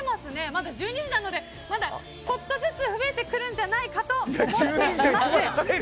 まだ１２時なので、ちょっとずつ増えてくるんじゃないかと思っています。